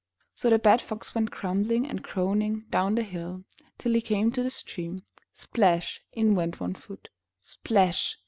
'' So the bad Fox went grumbling and groaning down the hill, till he came to the stream. Splash ! In went one foot. Splash!